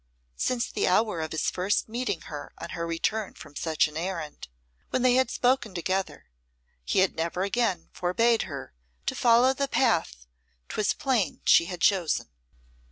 Since the hour of his first meeting her on her return from such an errand, when they had spoken together, he had never again forbade her to follow the path 'twas plain she had chosen.